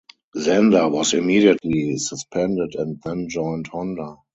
Zander was immediately suspended and then joined Honda.